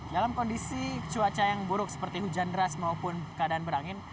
dalam kondisi cuaca yang buruk seperti hujan deras maupun keadaan berangin